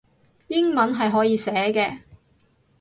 英文係可以寫嘅